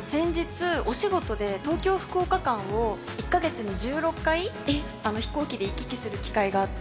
先日、お仕事で東京・福岡間を、１か月に１６回、飛行機で行き来する機会があって。